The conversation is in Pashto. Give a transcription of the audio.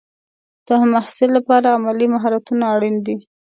د محصل لپاره عملي مهارتونه اړین دي.